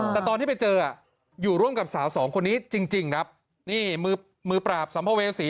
แต่ตอนที่ไปเจออยู่ร่วมกับสาวสองคนนี้จริงครับนี่มือมือปราบสัมภเวษี